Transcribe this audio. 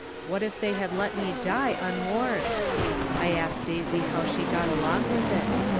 What if they had let me die unwarned ! I asked Daisy how she got along with it.